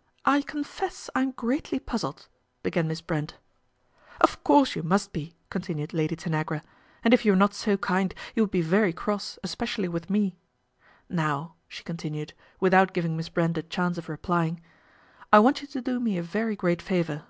" I confess, I am greatly puzzled," began Miss Brent. " Of course you must be," continued Lady lanagra, " and if you were not so kind you would LADY TANAGRA T^KES A HAND 125 be very cross, especially with me. Now," she con tinued, without giving Miss Brert a chance of replying, " I want you to do me a very great favour."